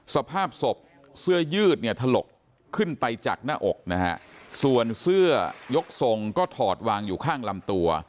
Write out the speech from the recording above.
สภาพศพเสื้อยืดเนี่ยถลกขึ้นไปจากหน้าอกนะฮะส่วนเสื้อยกทรงก็ถอดวางอยู่ข้างลำตัว